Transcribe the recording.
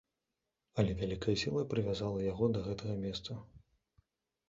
Але вялікая сіла прывязала яго да гэтага месца.